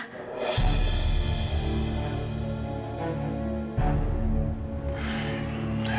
kamu beneran mau menikahi indira